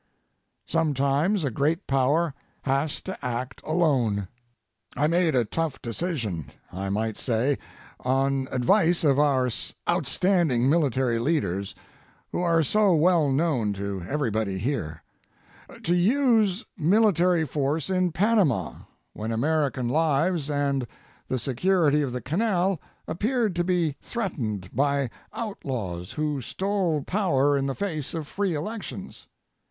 Sometimes a great power has to act alone. I made a tough decisionŌĆöI might say, on advice of our outstanding military leaders who are so well known to everybody hereŌĆöto use military force in Panama when American lives and the security of the Canal appeared to be threatened by outlaws who stole power in the face of free elections.